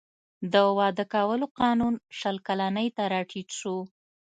د واده کولو قانون شل کلنۍ ته راټیټ شو.